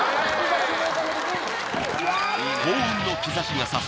幸運の兆しがさす